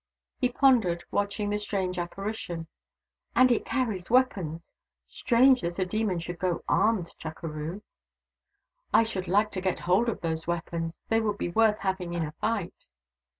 He pondered, watching the strange apparition. " And it carries weapons — strange, that a demon should go armed, Chukeroo. THE DAUGHTERS OF WONKAWALA 189 I should like to get hold of those weapons. They would be worth having in a fight."